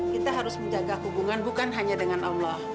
kita harus menjaga hubungan bukan hanya dengan allah